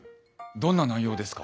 どんな内容ですか？